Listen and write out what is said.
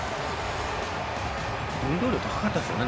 運動量、高かったですよね